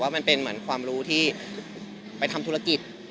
มันเป็นเหมือนความรู้ที่ไปทำธุรกิจ